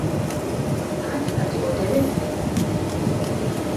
Anti kati oteredde?